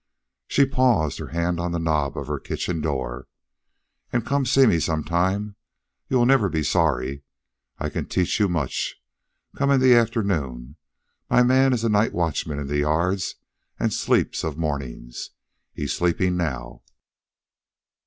She paused, her hand on the knob of her kitchen door. "And come and see me some time. You will never be sorry. I can teach you much. Come in the afternoon. My man is night watchman in the yards and sleeps of mornings. He's sleeping now."